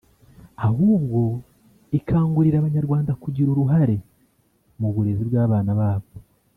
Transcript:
ahubwo ikangurira Abanyarwanda kugira uruhare mu burezi bw’abana babo